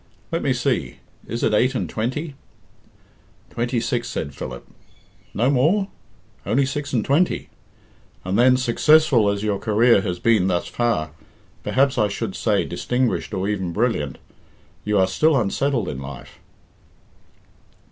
Let me see, is it eight and twenty?" "Twenty six," said Philip. "No more? Only six and twenty? And then, successful as your career has been thus far perhaps I should say distinguished or even brilliant you are still unsettled in life."